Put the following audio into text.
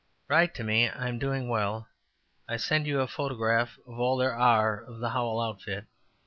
Write to me; am doing well. I send you a photograph of all there are of the Howell outfit.